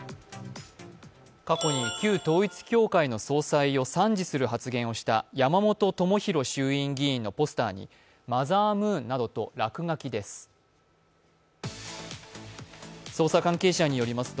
過去に旧統一教会の総裁を賛辞する発言をした山本朋広衆院議員のポスターにマザームーンなどと落書きです。